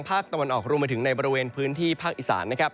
ภาคตะวันออกรวมไปถึงในบริเวณพื้นที่ภาคอีสานนะครับ